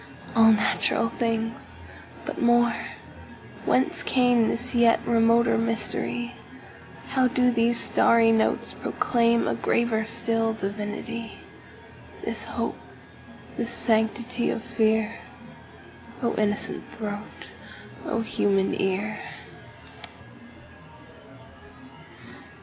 All natural things! But more—Whence cameThis yet remoter mystery? How do these starry notes proclaimA graver still divinity? This hope, this sanctity of fear?O innocent throat! O human ear!